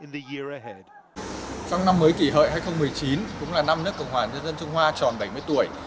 trong năm mới kỷ hợi hai nghìn một mươi chín cũng là năm nước cộng hòa nhân dân trung hoa tròn bảy mươi tuổi